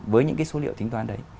với những cái số liệu tính toán đấy